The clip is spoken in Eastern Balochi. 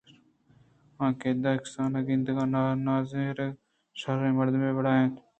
آ قد ءَ کسان گندگءَ نازرک ءُشرّیں مردمے ءِ وڑا اَت